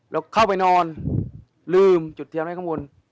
แล้วเข้าไปนอนลืมจุดเทียนไว้ข้างบน